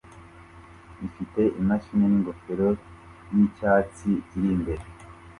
ifite imashini ningofero yicyatsi iri imbere